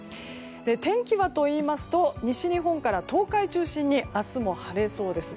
天気はというと西日本から東海を中心に明日も晴れそうです。